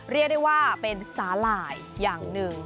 เรียกได้ว่าเป็นสาหร่ายอย่างหนึ่ง